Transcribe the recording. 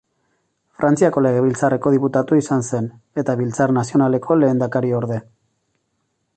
Frantziako Legebiltzarreko diputatu izan zen, eta Biltzar Nazionaleko lehendakariorde.